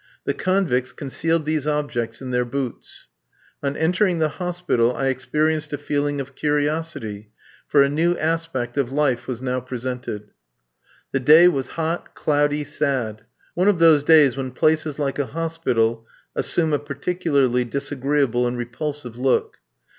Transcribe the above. The convicts concealed these objects in their boots. On entering the hospital I experienced a feeling of curiosity, for a new aspect of life was now presented. The day was hot, cloudy, sad one of those days when places like a hospital assume a particularly disagreeable and repulsive look.